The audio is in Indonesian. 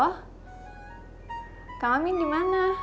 kak amin dimana